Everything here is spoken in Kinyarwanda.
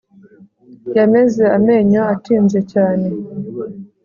Yameze amenyo atinze cyane